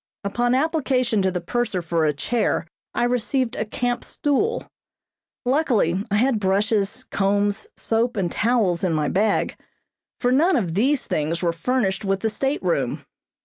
Upon application to the purser for a chair I received a camp stool. Luckily I had brushes, combs, soap and towels in my bag, for none of these things were furnished with the stateroom.